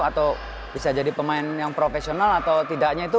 atau bisa jadi pemain yang profesional atau tidaknya itu